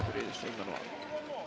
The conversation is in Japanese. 今のは。